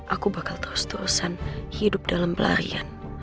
aku bakal terus terusan hidup dalam pelarian